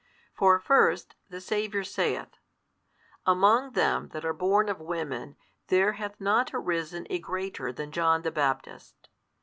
For first, the Saviour saith: Among them that are born of women there |144 hath not arisen a greater than John the Baptist.